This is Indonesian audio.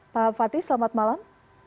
pak fatih selamat malam